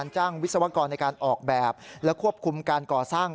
จ้างวิศวกรในการออกแบบและควบคุมการก่อสร้าง